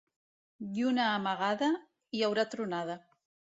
Lluna amagada, hi haurà tronada.